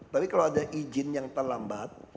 tapi kalau ada izin yang terlambat